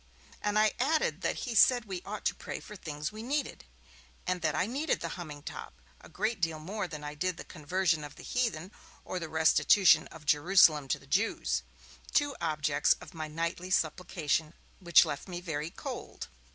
And I added that he said we ought to pray for things we needed, and that I needed the humming top a great deal more than I did the conversion of the heathen or the restitution of Jerusalem to the Jews, two objects of my nightly supplication which left me very cold.